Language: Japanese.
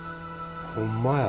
ホンマや。